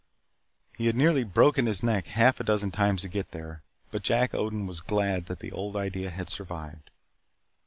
He had nearly broken his neck half a dozen times to get there, but Jack Odin was glad that the old idea had survived.